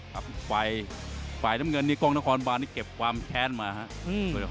ฝ่ายฝ่ายน้ำเงินนี่กองนครบานนี่เก็บความแค้นมาฮะ